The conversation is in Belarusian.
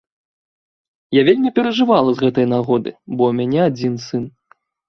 Я вельмі перажывала з гэтай нагоды, бо ў мяне адзін сын.